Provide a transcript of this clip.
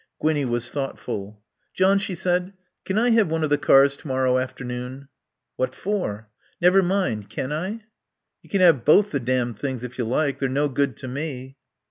Gwinnie was thoughtful. "John," she said, "can I have one of the cars to morrow afternoon?" "What for?" "Never mind. Can I?" "You can have both the damned things if you like; they're no good to me."